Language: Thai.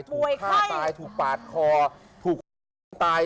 ฆ่าตายถูกปาดคอถูกตาย